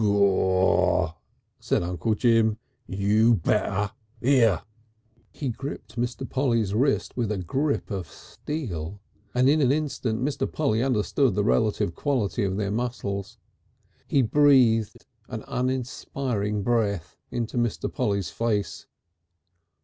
"Gaw!" said Uncle Jim. "You'd better. 'Ere!" He gripped Mr. Polly's wrist with a grip of steel, and in an instant Mr. Polly understood the relative quality of their muscles. He breathed, an uninspiring breath, into Mr. Polly's face.